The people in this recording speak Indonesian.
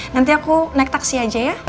nanti aku naik taksi aja ya